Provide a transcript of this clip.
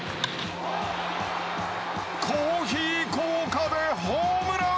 コーヒー効果でホームラン！